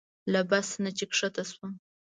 له بس نه چې ښکته شوم.